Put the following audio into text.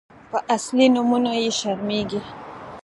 _په اصلي نومونو يې شرمېږي.